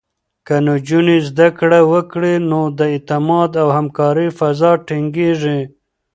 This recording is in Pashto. که نجونې زده کړه وکړي، نو د اعتماد او همکارۍ فضا ټینګېږي.